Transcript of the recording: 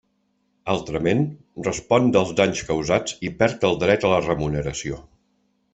Altrament, respon dels danys causats i perd el dret a la remuneració.